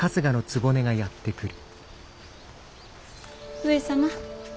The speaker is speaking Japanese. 上様。